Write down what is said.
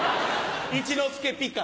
一之輔ピカ。